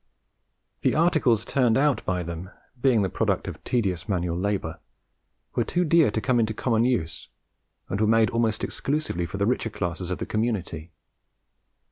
The articles turned out by them, being the product of tedious manual labour, were too dear to come into common use, and were made almost exclusively for the richer classes of the community.